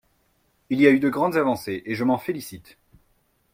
Il y a eu de grandes avancées, et je m’en félicite.